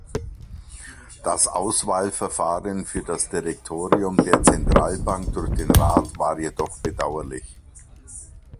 Das Auswahlverfahren für das Direktorium der Zentralbank durch den Rat war jedoch bedauerlich.